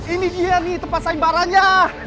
ini dia nih tempat saya barahnya